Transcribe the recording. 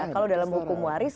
kalau dalam hukum waris